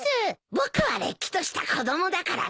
僕はれっきとした子供だからね。